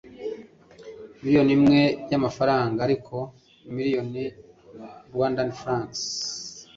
miliyoni imwe FRW ariko million Rwandan francs